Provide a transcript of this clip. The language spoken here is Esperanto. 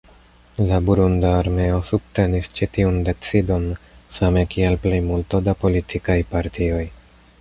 La burunda armeo subtenis ĉi tiun decidon, same kiel plejmulto da politikaj partioj.